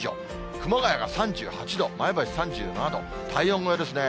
熊谷が３８度、前橋３７度、体温超えですね。